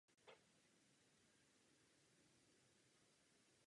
Právě proto o to usilujeme.